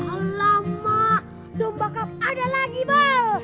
alamak domba cup ada lagi bal